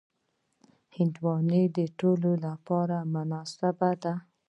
هندوانه د ټولو لپاره مناسبه ده.